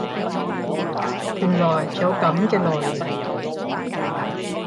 原來有噉嘅來源